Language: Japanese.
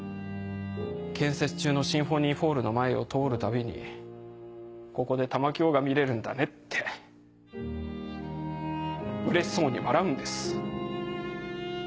建設中のシンフォニーホールの前を通るたびに「ここで玉響が見れるんだね」ってうれしそうに笑うんです。